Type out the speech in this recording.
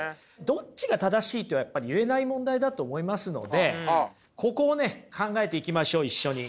どっちが正しいとはやっぱり言えない問題だと思いますのでここをね考えていきましょう一緒に。